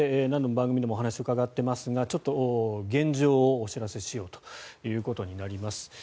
何度も番組でもお話を伺っていますが現状をお知らせしようということになります。